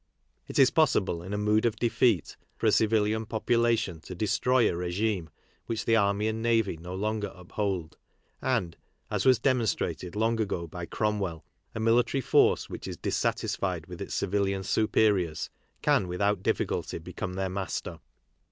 It is possible in a mood of defeat for a civilian population to destroy a regime which the army and navy no longer uphold, and, as was .demonstrated long ago. by Cromwell, a military force which is dis satisfied with its civilian superiors can without difficulty become. their master.